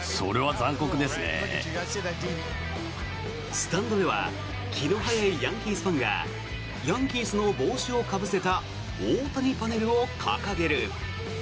スタンドでは気の早いヤンキースファンがヤンキースの帽子をかぶせた大谷パネルを掲げる。